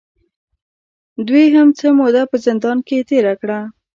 دوې هم څۀ موده پۀ زندان کښې تېره کړه